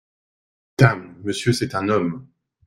Dame ! monsieur, c’est un homme….